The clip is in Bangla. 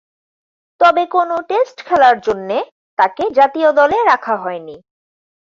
তবে কোন টেস্ট খেলার জন্যে তাকে জাতীয় দলে রাখা হয়নি।